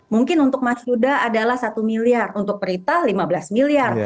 mungkin untuk mas yuda adalah satu miliar untuk prita lima belas miliar